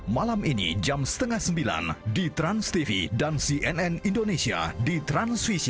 malam ini jam setengah sembilan di transtv dan cnn indonesia di transvision